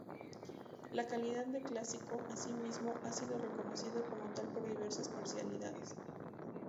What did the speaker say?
La calidad de "clásico", así mismo, ha sido reconocido como tal por diversas parcialidades.